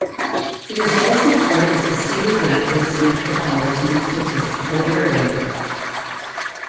It is also part of the Cedar Rapids Metropolitan Statistical Area.